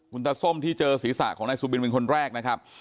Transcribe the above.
คุณตาส้มที่เจอศีรษะของนายสุบินเป็นคนแรกนะครับ